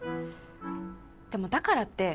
でもだからって